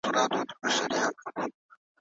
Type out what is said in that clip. اقتصاد د کورنیو بودیجه تنظیم ته لارښوونه کوي.